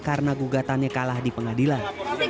karena gugatannya kalah di pengadilan